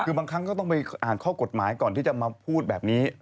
คือบางครั้งก็ต้องไปอ่านข้อกฎหมายก่อนที่จะมาพูดแบบนี้